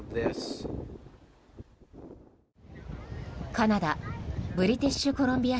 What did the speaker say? カナダブリティッシュコロンビア